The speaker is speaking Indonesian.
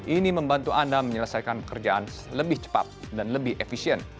ini membantu anda menyelesaikan pekerjaan lebih cepat dan lebih efisien